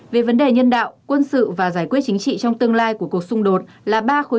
về vấn đề nhân đạo quân sự và giải quyết chính trị trong tương lai của cuộc xung đột là ba khối